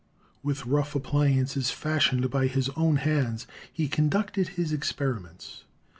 With rough appli ances fashioned by his own hands he conducted his ex periments.